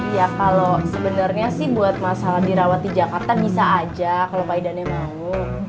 ya kalau sebenarnya sih buat masalah dirawat di jakarta bisa aja kalau pak idannya mau